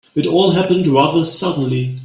It all happened rather suddenly.